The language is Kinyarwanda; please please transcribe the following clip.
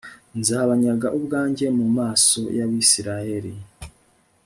nzabanyaga ubwanjye mu maso y'abayisraheli